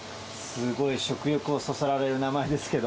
すごい食欲をそそられる名前ですけれども。